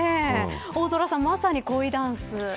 大空さん、まさにコイダンス。